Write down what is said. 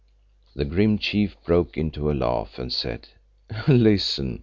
The grim Chief broke into a laugh and said, "Listen.